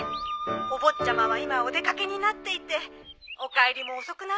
お坊ちゃまは今お出掛けになっていてお帰りも遅くなるかと。